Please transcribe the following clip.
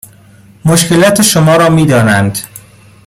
مشکلات شما را میدانند